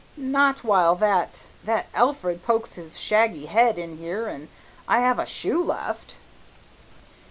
"Not while that that Alfred pokes his shaggy head in here an' I have a shoe left."